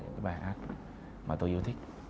những bài hát mà tôi yêu thích